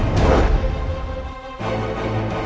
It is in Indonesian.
aku akan menang